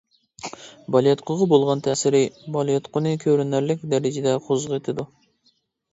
بالىياتقۇغا بولغان تەسىرى: بالىياتقۇنى كۆرۈنەرلىك دەرىجىدە قوزغىتىدۇ.